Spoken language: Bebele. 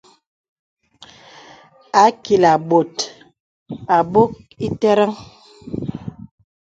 Ākilā bòt ābok itə̀rən.